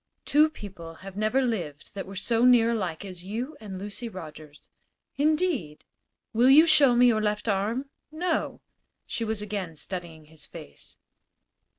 "Two people have never lived that were so near alike as you and Lucy Rogers." "Indeed?" "Will you show me your left arm?" "No." She was again studying his face.